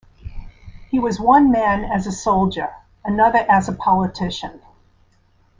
He was one man as a soldier, another as a politician.